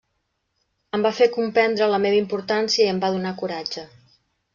Em va fer comprendre la meva importància i em va donar coratge.